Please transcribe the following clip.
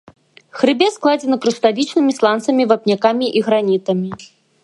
Хрыбет складзены крышталічнымі сланцамі, вапнякамі і гранітамі.